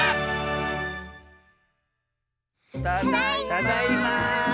ただいま！